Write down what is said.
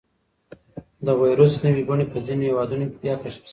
د وېروس نوې بڼې په ځینو هېوادونو کې بیا کشف شوي دي.